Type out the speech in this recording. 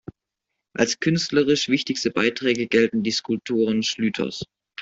Als künstlerisch wichtigste Beiträge gelten die Skulpturen Schlüters.